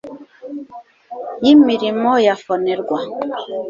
y imirimo ya FONERWA